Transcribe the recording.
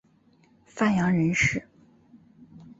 范阳人氏。